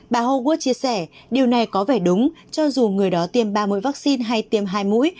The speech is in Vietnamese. bà huad chia sẻ điều này có vẻ đúng cho dù người đó tiêm ba mũi vaccine hay tiêm hai mũi